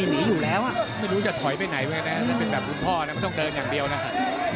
นี่คือจะถอยไปไหนเองนะฮะมันเป็นแบบคุณพ่อนะไม่ต้องเดินอย่างเดียวนะฮะ